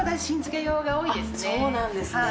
そうなんですね。